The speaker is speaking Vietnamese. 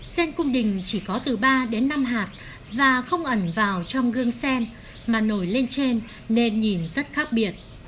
sen cung đình chỉ có từ ba đến năm hạt và không ẩn vào trong gương sen mà nổi lên trên nên nhìn rất khác biệt